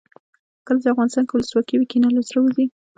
کله چې افغانستان کې ولسواکي وي کینه له زړه وځي.